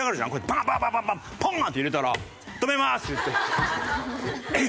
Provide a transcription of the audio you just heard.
バンバンバンバンバンポーン！って入れたら「止めます」って言って。